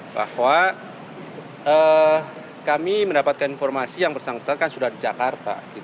bahwa kami mendapatkan informasi yang bersangkutan kan sudah di jakarta